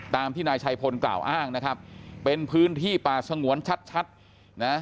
ตามที่นายชัยพลกล่าวอ้างนะครับเป็นพื้นที่ป่าสงวนชัดชัดนะ